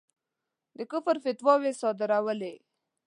د کُفر فتواوې صادرولې.